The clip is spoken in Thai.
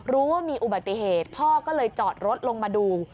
รู้ว่ามีอุบัติเหตุพ่อก็เลยจอดรถลงมาดู